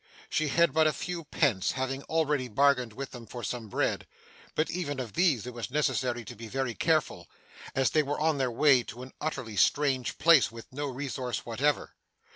She had but a few pence, having already bargained with them for some bread, but even of these it was necessary to be very careful, as they were on their way to an utterly strange place, with no resource whatever.